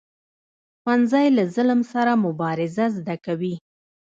ښوونځی له ظلم سره مبارزه زده کوي